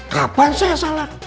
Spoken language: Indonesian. kapan saya salah